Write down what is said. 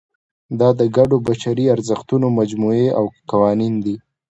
دا د ګډو بشري ارزښتونو مجموعې او قوانین دي.